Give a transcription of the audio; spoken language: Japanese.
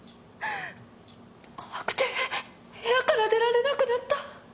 怖くて部屋から出られなくなった。